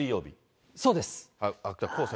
そうです。